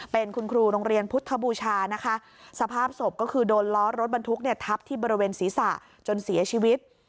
เป็นคุณครูโรงเรียนพุทธบูชานะคะสภาพศพก็คือโดนล้อรถบรรทุกเนี่ยทับที่บริเวณศีรษะจนเสียชีวิต